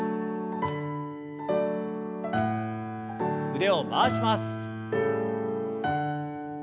腕を回します。